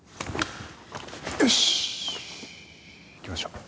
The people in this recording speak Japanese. よし！